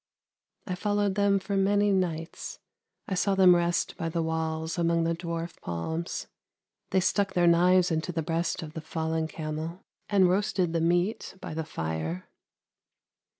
I followed them for many nights; I saw them rest by the walls among the dwarf palms. They stuck their knives into the breast of the fallen 252 ANDERSEN'S FAIRY TALES camel, and roasted the meat by the fire.